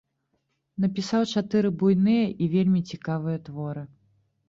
Напісаў чатыры буйныя і вельмі цікавыя творы.